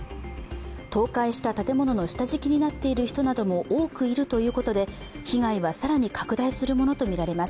倒壊した建物の下敷きになっている人なども多くいるということで被害は更に拡大するものとみられます。